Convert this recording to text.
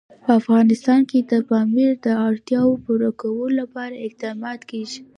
په افغانستان کې د پامیر د اړتیاوو پوره کولو لپاره اقدامات کېږي.